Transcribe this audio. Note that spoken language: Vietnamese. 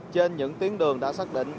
trên những tuyến đường đã xác định